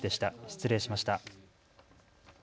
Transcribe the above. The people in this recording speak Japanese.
失礼しました。